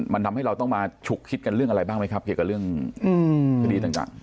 มันทำให้เราต้องมาฉุกคิดกันเรื่องอะไรบ้างไหมครับเกี่ยวกับเรื่องคดีต่าง